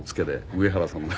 上原さんの。